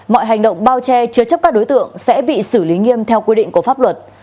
mọi hành động bao che chứa chấp các đối tượng sẽ bị xử lý nghiêm theo quy định của pháp luật